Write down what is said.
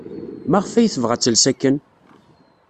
Maɣef ay tebɣa ad tels akken?